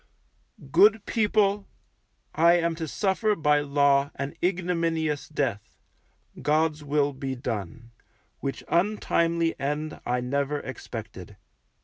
Good people, I am to suffer by Law an ignominious death (God's will be done) which untimely end I never expected.